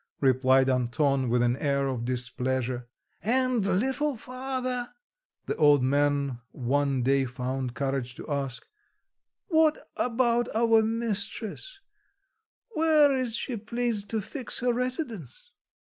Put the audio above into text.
replied Anton with an air of displeasure. "And little father," the old man one day found courage to ask, "what about our mistress, where is she pleased to fix her residence?"